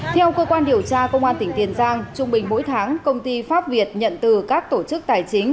theo cơ quan điều tra công an tỉnh tiền giang trung bình mỗi tháng công ty pháp việt nhận từ các tổ chức tài chính